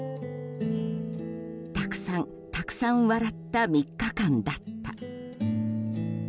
たくさんたくさん笑った３日間だった。